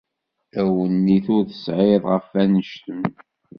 Awennit ur t-sεiɣ ɣef wannect-en.